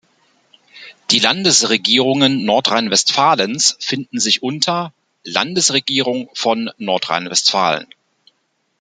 Die Landesregierungen Nordrhein-Westfalens finden sich unter: Landesregierung von Nordrhein-Westfalen.